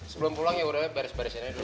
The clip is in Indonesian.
sebelum pulang ya udah baris barisin aja dulu